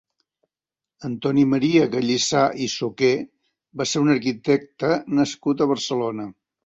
Antoni Maria Gallissà i Soqué va ser un arquitecte nascut a Barcelona.